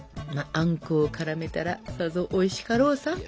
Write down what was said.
あんこを絡めたらさぞおいしかろうさ。